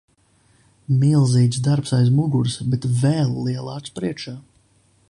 Milzīgs darbs aiz muguras, bet vēl lielāks priekšā.